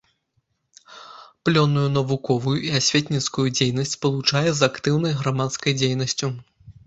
Плённую навуковую і асветніцкую дзейнасць спалучае з актыўнай грамадскай дзейнасцю.